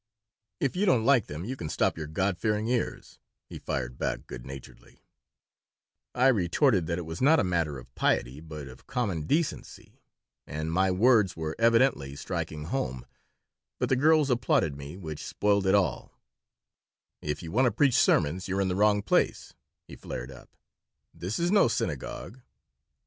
"If you don't like them you can stop your God fearing ears," he fired back, good naturedly I retorted that it was not a matter of piety, but of common decency, and my words were evidently striking home, but the girls applauded me, which spoiled it all "If you want to preach sermons you're in the wrong place," he flared up. "This is no synagogue."